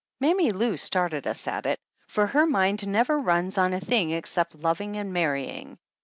Mammy Lou started us at it, for her mind never runs on a thing except loving and marrying.